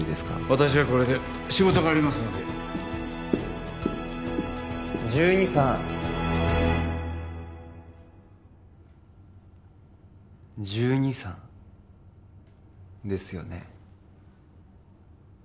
私はこれで仕事がありますので１２さん１２さんですよね？